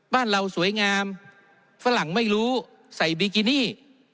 บ้านเราสวยงามฝรั่งไม่รู้ใส่บิกินี่